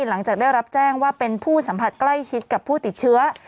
หลังจากได้รับแจ้งว่าเป็นผู้สัมผัสใกล้ชิดกับผู้ติดเชื้อ